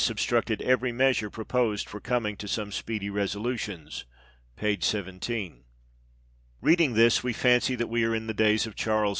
. obstructed every measure proposed for coming to some speedy resolutions " (p. 17). Reading this, we fancy that we are in the days of Charles II.